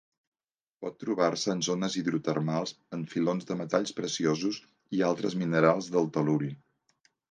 Pot trobar-se en zones hidrotermals, en filons de metalls preciosos i altres minerals del tel·luri.